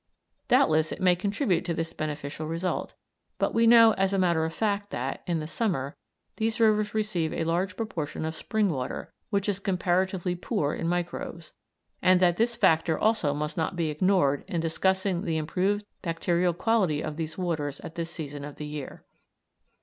Doubtless it may contribute to this beneficial result; but we know as a matter of fact that, in the summer, these rivers receive a large proportion of spring water, which is comparatively poor in microbes, and that this factor also must not be ignored in discussing the improved bacterial quality of these waters at this season of the year.